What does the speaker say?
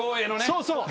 そうそう。